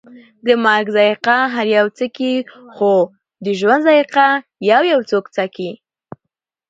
د مرګ ذائقه هر یو څکي، خو د ژوند ذائقه یویو څوک څکي